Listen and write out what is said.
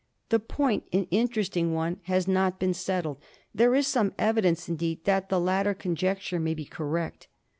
The point, an interesting one, has not been settled. There is some evidence indeed that the latter conjecture may be correct.